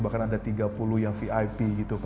bahkan ada tiga puluh yang vip gitu